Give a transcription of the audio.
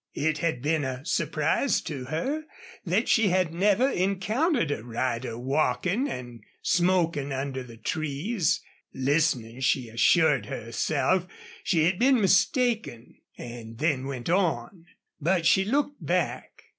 It had been a surprise to her that she had never encountered a rider walking and smoking under the trees. Listening, she assured herself she had been mistaken, and then went on. But she looked back.